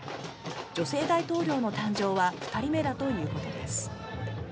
女性大統領の誕生は２人目だということです。